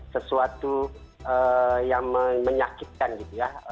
sesuatu yang menyakitkan gitu ya